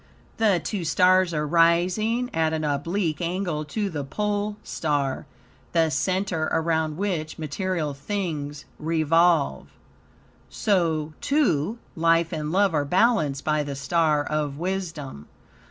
The two stars are rising at an oblique angle to the pole star, the center around which, material things revolve. So, too, life and love are balanced by the star of wisdom.